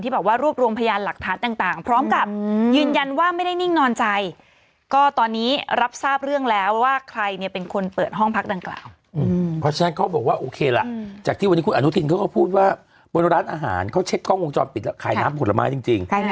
เพราะฉะนั้นก็บอกว่าโอเคล่ะจากที่คุณอาจารย์อนุทินก็พูดว่าบนร้านอาหารเขาเช็คโกงวงจอมปิดแล้วขายน้ำผลไม้จริง